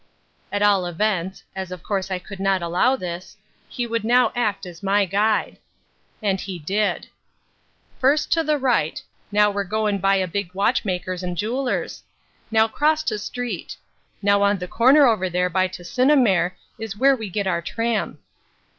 At all events (as of course I could not allow this) he would now act as my guide. And he did. "First to the right.... Now we're goin' by a big watchmaker's and jeweller's.... Now cross t' street.... Now on th' corner over there by t' Sinnemer is w'ere we git our tram."